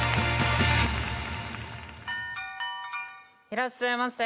いらっしゃいませ。